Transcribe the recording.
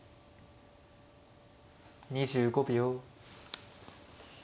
２５秒。